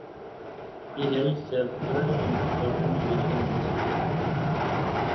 He held several important positions in the city.